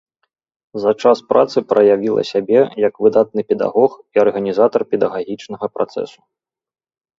За час працы праявіла сябе як выдатны педагог і арганізатар педагагічнага працэсу.